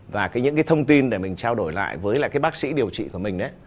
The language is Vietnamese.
và những cái thông tin để mình trao đổi lại với lại cái bác sĩ điều trị của mình